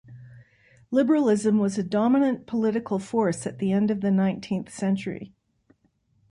Liberalism was a dominant political force at the end of the nineteenth century.